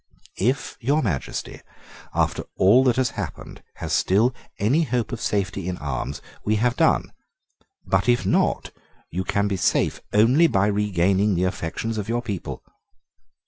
"If your Majesty, after all that has happened, has still any hope of safety in arms, we have done: but if not, you can be safe only by regaining the affections of your people."